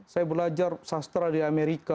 saya belajar sastra di amerika